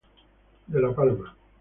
De la Palma.